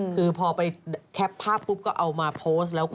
คือพอไปแคปภาพปุ๊บก็เอามาโพสต์แล้วก็